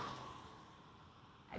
dan mudah mengantuk